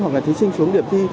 hoặc là thí sinh xuống điểm thi